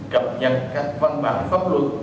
cập nhật các văn bản pháp luật